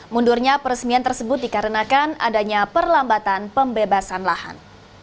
mundurnya peresmian tersebut dikarenakan adanya perlambatan pembebasan lahan